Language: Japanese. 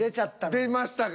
出ましたか。